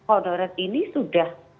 bahwa honorer ini sudah